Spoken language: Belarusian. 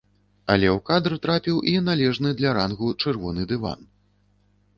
Але ў кадр трапіў і належны для рангу чырвоны дыван.